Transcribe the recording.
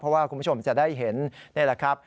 เพราะว่าคุณผู้ชมจะได้เห็นนี่แหละครับ